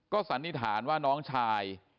สันนิษฐานว่าน้องชาย